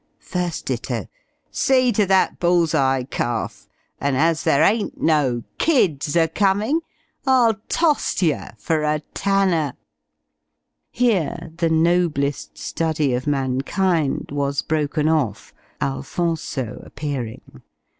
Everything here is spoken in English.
1st do. "See to that bull's eye, calf; and, as there ain't no kids a coming, I'll toss yer for a tanner." Here "the noblest study of mankind" was broken off Alphonso appearing.